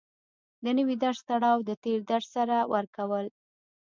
د نوي درس تړاو د تېر درس سره ورکول